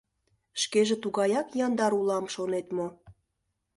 Шкеже тугаяк яндар улам, шонет мо?